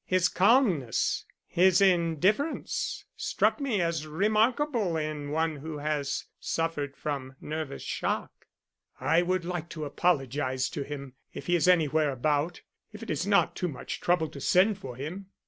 His calmness, his indifference, struck me as remarkable in one who has suffered from nervous shock." "I would like to apologize to him if he is anywhere about if it is not too much trouble to send for him."